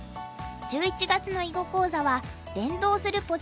１１月の囲碁講座は「連動するポジショニング」。